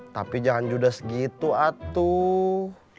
tapi jangan juda segitu atuh